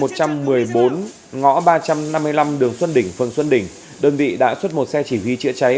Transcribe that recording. từ một trăm một mươi bốn ngõ ba trăm năm mươi năm đường xuân đình phường xuân đình đơn vị đã xuất một xe chỉ huy chữa cháy